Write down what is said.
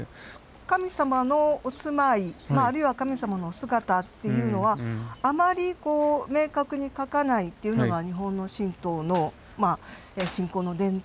神様のお住まいまああるいは神様のお姿っていうのはあまりこう明確に描かないっていうのが日本の神道のまあ信仰の伝統ですね。